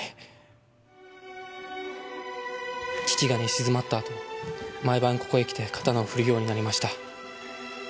父が寝静まった後毎晩ここへ来て刀を振るようになりました。